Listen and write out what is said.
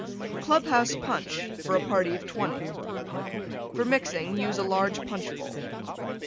CLUB HOUSE PUNCH (for a party of 20) For mixing use a large Punch bowl.